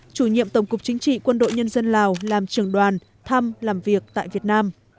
chủ nhiệm tổng cục chính trị quân đội nhân dân lào làm trường đoàn thăm làm việc tại việt nam